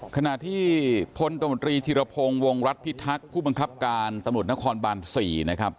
ขณะที่พลตมตรีธิรพงศ์วงรัฐพิทักษ์ผู้บังคับการตำรวจนครบาน๔นะครับ